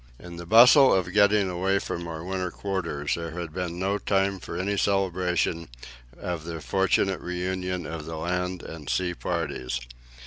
In the bustle of getting away from our winter quarters there had been no time for any celebration of the fortunate reunion of the land and sea parties.